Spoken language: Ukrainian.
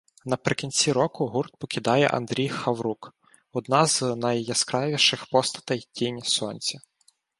Наприкінці року гурт покидає Андрій Хаврук — одна з найяскравіших постатей «Тінь Сонця».